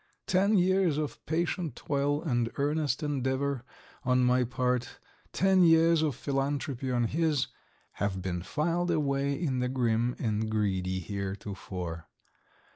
Ten years of patient toil and earnest endeavor on my part, ten years of philanthropy on his, have been filed away in the grim and greedy heretofore.